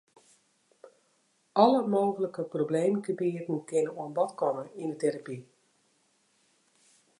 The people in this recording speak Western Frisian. Alle mooglike probleemgebieten kinne oan bod komme yn 'e terapy.